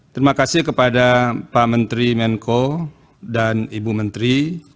terima kasih kepada pak menteri menko dan ibu menteri